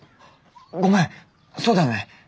ごめんそうだよね。